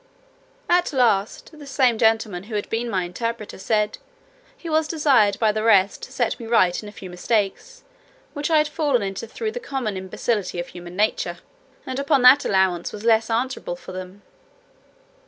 At last, the same gentleman who had been my interpreter, said, "he was desired by the rest to set me right in a few mistakes, which I had fallen into through the common imbecility of human nature, and upon that allowance was less answerable for them.